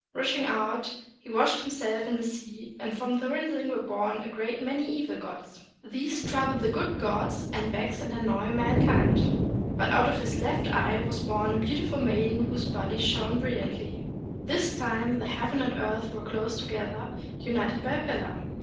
Rushing out, he washed himself in the sea, and from the rinsings were born a great many evil 280 JIMMU TENNO, FIRST MIKADO OF JAPAN gods. These trouble the good gods, and vex and annoy mankind. But out of his left eye was born a beautiful maiden whose body shone brilliantly. At this time the heaven and earth were close together, united by a pillar.